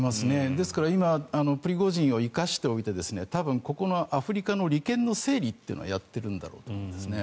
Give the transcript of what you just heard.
ですから、今プリゴジンを生かしておいて多分、アフリカの利権の整理をやっているんだろうと思うんですね。